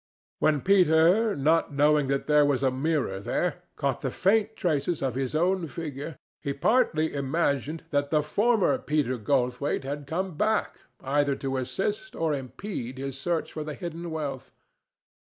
When Peter, not knowing that there was a mirror there, caught the faint traces of his own figure, he partly imagined that the former Peter Goldthwaite had come back either to assist or impede his search for the hidden wealth.